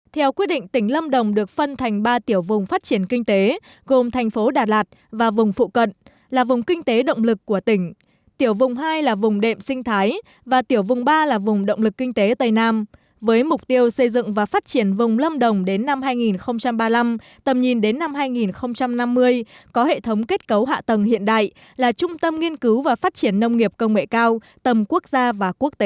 theo quyết định tỉnh lâm đồng được phân thành ba tiểu vùng phát triển kinh tế gồm thành phố đà lạt và vùng phụ cận là vùng kinh tế động lực của tỉnh tiểu vùng hai là vùng đệm sinh thái và tiểu vùng ba là vùng động lực kinh tế tây nam với mục tiêu xây dựng và phát triển vùng lâm đồng đến năm hai nghìn ba mươi năm tầm nhìn đến năm hai nghìn năm mươi có hệ thống kết cấu hạ tầng hiện đại là trung tâm nghiên cứu và phát triển nông nghiệp công nghệ cao tầm quốc gia và quốc tế